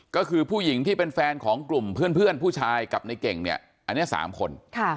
ก็คือผู้หญิงที่เป็นแฟนของกลุ่มเพื่อนผู้ชายกับในเก่งเนี่ยอันนี้๓คน